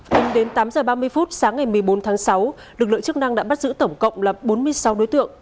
từ tám h ba mươi sáng ngày một mươi bốn tháng sáu lực lượng chức năng đã bắt giữ tổng cộng là bốn mươi sáu đối tượng